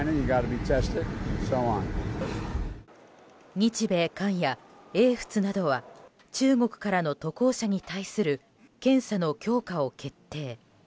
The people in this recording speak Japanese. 日米韓や英仏などは中国からの渡航者に対する検査の強化を決定。